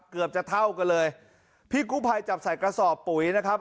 เกือบจะเท่ากันเลยพี่กู้ภัยจับใส่กระสอบปุ๋ยนะครับ